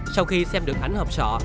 sau khi xem được ảnh hợp sọ